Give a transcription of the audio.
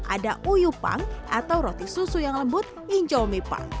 ada uyu pang atau roti susu yang lembut injomi pang